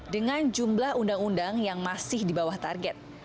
dengan jumlah undang undang yang masih di bawah target